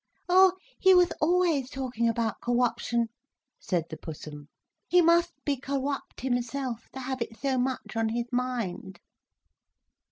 "Oh, he was always talking about Corruption," said the Pussum. "He must be corrupt himself, to have it so much on his mind."